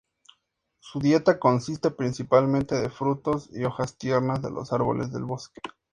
Su dieta consiste principalmente de frutos y hojas tiernas de los árboles del bosque.